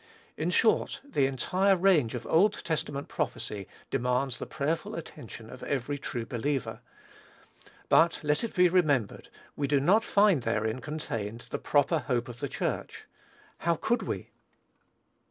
In short, the entire range of Old Testament prophecy demands the prayerful attention of every true believer. But let it be remembered, we do not find therein contained the proper hope of the Church. How could we?